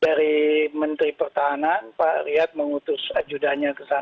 dari menteri pertahanan pak riyad mengutus